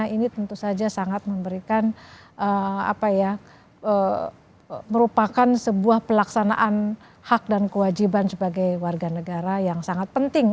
ini tentu saja sangat memberikan merupakan sebuah pelaksanaan hak dan kewajiban sebagai warga negara yang sangat penting